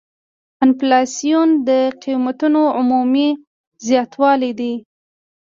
انفلاسیون د قیمتونو عمومي زیاتوالی دی.